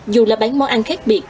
dù là bán món ăn khác biệt